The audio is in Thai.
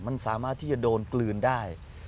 มันสามารถที่จะโดนกลืนได้